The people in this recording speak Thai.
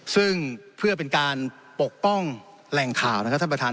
ซึ่งเพื่อเป็นการปกป้องแหล่งข่าวนะครับท่านประธาน